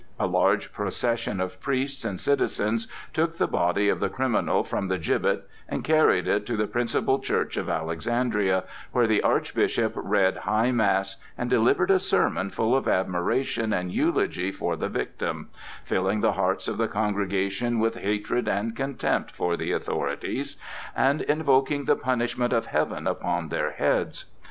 A large procession of priests and citizens took the body of the criminal from the gibbet and carried it to the principal church of Alexandria, where the Archbishop read high mass and delivered a sermon full of admiration and eulogy for the victim, filling the hearts of the congregation with hatred and contempt for the authorities, and invoking the punishment of Heaven upon their heads.